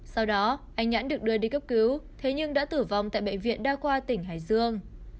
sau đó anh nhãn được đưa đi cấp cứu thế nhưng đã tử vong tại bệnh viện đa khoa tỉnh hải dương